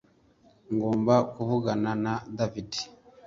Ngomba kuvugana na David